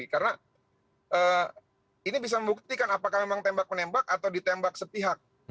karena ini bisa membuktikan apakah memang tembak menembak atau ditembak setihak